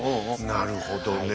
なるほどねえ。